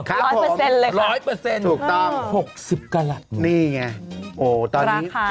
ครับผมร้อยเปอร์เซ็นต์เลยครับถูกต้อง๖๐กลาลัดนี่ไงโอ้ตอนนี้ราคานี้